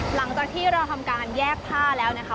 หลังจากที่เราทำการแยกผ้าแล้วนะคะ